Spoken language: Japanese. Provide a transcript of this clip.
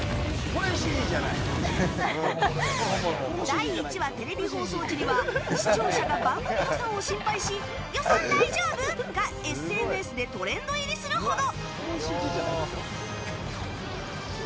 第１話テレビ放送時には視聴者が番組予算を心配し予算大丈夫？がＳＮＳでトレンド入りするほど。